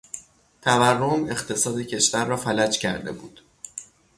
تورم اقتصاد کشور را فلج کرده بود.